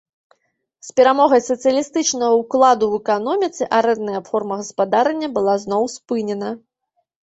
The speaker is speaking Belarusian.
З перамогай сацыялістычнага ўкладу ў эканоміцы арэндная форма гаспадарання была зноў спынена.